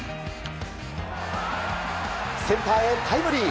センターへタイムリー！